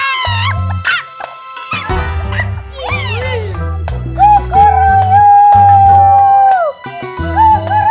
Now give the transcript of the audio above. iya aku udah dulu enggak sama dia